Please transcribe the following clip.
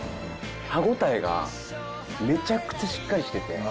歯応えがめちゃくちゃしっかりしてて。